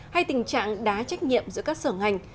hay tình trạng đá trách nhiệm giữa các sở ngành